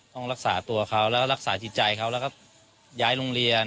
ต้องรักษาตัวเค้ารักษาจิตใจเค้าและย้ายโรงเรียน